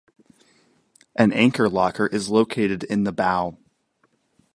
An anchor locker is located in the bow.